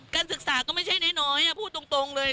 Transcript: การศึกษาก็ไม่ใช่น้อยพูดตรงเลย